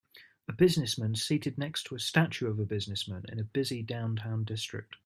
A businessman seated next to a statue of a businessman in a busy downtown district.